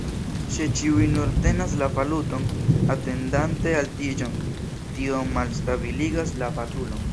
Se ĉiuj nur tenas la valuton, atendante altiĝon, tio malstabiligas la valuton.